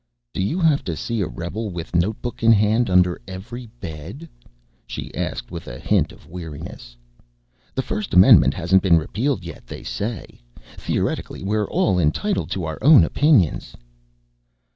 "Do you have to see a rebel with notebook in hand under every bed?" she asked with a hint of weariness. "The First Amendment hasn't been repealed yet, they say. Theoretically we're all entitled to our own opinions."